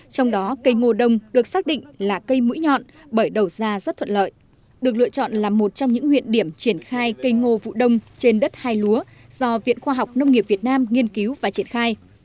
trong đó cây ngô đông được xác định là cây mũi nhọn bởi đầu ra rất thuận lợi được lựa chọn là một trong những huyện điểm triển khai cây ngô vụ đông trên đất hai lúa do viện khoa học nông nghiệp việt nam nghiên cứu và triển khai